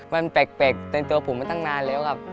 มันแปลกเต็มตัวผมมาตั้งนานแล้วครับ